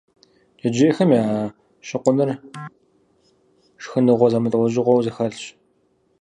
Джэджьейхэм я щыкъуныр шхыныгъуэ зэмылӀэужьыгъуэу зэхэлъщ.